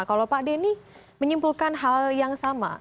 kalau pak denny menyimpulkan hal yang sama